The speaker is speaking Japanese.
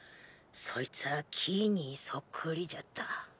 そいつは「木」にそっくりじゃった。